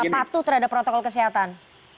patuh terhadap protokol kesehatan